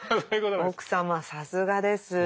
奥様さすがです。